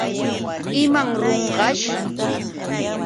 ¿Imanrunqaćh?